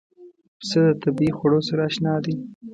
پسه د طبیعي خوړو سره اشنا دی.